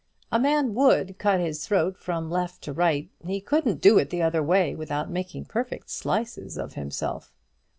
A man would cut his throat from left to right: he couldn't do it in the other way without making perfect slices of himself."